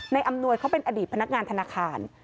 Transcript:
อำนวยเขาเป็นอดีตพนักงานธนาคาร